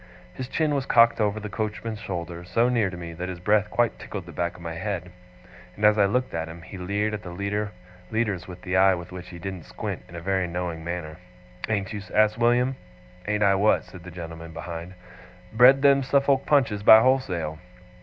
His chin was cocked over the coachman's shoulder, so near to me, that his breath quite tickled the back of my head; and as I looked at him, he leered at the leaders with the eye with which he didn't squint, in a very knowing manner. 'Ain't you?' asked William. 'Ain't I what?' said the gentleman behind. 'Bred them Suffolk Punches by wholesale?